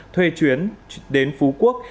thuê chuyến đến phú quốc